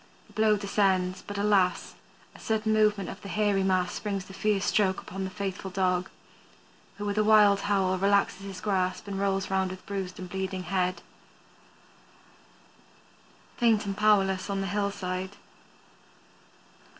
The blow descends, but alas! a sudden movement of the hairy mass brings the fierce stroke upon the faithful dog, who with a wild howl relaxes his grasp and rolls with bruised and bleeding head, faint and powerless on the hillside.